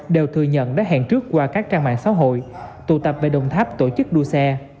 đều thừa nhận đã hẹn trước qua các trang mạng xã hội tụ tập tại đồng tháp tổ chức đua xe